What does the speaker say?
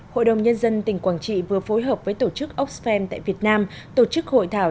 hội đồng nhân dân tỉnh quảng trị vừa phối hợp với tổ chức oxfam tại việt nam tổ chức hội thảo